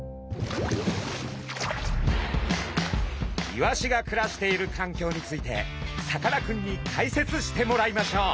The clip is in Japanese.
イワシが暮らしているかんきょうについてさかなクンに解説してもらいましょう。